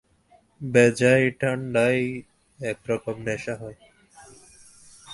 বেজায় ঠাণ্ডায় এক রকম নেশা হয়।